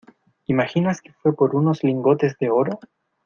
¿ imaginas que fue por unos lingotes de oro?